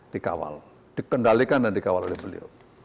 dikawal dikendalikan dan dikawal oleh beliau